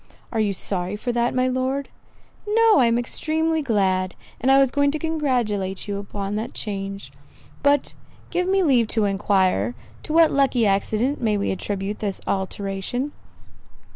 "Are you sorry for that, my Lord?" "No, I am extremely glad; and I was going to congratulate you upon the change. But give me leave to enquire, to what lucky accident we may attribute this alteration?"